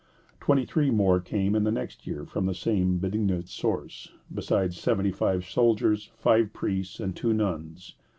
Twenty three more came in the next year from the same benignant source, besides seventy five soldiers, five priests, and two nuns.